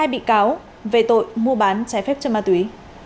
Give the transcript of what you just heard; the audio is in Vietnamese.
hai bị cáo về tội mua bán trái phép chất ma túy